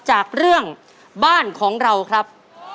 จากเรื่องบ้านของเราครับ